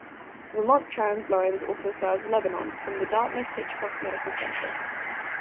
Vermont Translines also serves Lebanon from the Dartmouth-Hitchcock Medical Center.